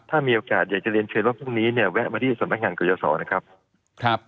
ถ้ามีโอกาสอยากจะเรียนเชิญว่าพรุ่งนี้เนี่ยแวะมาที่สำนักงานกรยาศรนะครับครับ